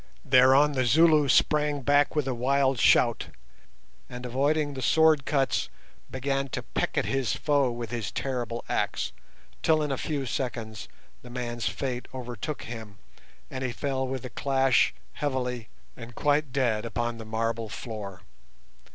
Thereon the Zulu sprang back with a wild shout, and, avoiding the sword cuts, began to peck at his foe with his terrible axe, till in a few seconds the man's fate overtook him and he fell with a clash heavily and quite dead upon the marble floor.